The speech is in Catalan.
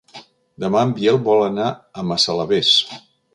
Demà en Biel vol anar a Massalavés.